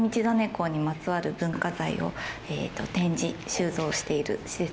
公にまつわる文化財を展示収蔵している施設になります。